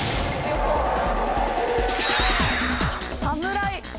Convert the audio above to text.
「サムライ」。